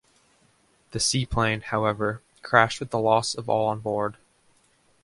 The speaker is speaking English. The seaplane, however, crashed with the loss of all on board.